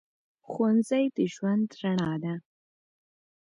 ښوونځی د ژوند رڼا ده